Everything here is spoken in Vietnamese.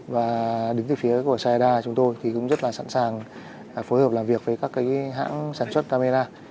và đứng từ phía của xe đa chúng tôi thì cũng rất là sẵn sàng phối hợp làm việc với các cái hãng sản xuất camera